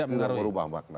tidak berubah makna